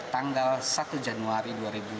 tanggal satu januari dua ribu sembilan belas